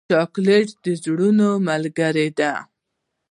چاکلېټ د زړونو ملګری دی.